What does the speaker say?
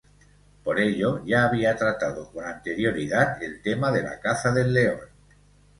Por ello, ya había tratado con anterioridad el tema de la caza del león.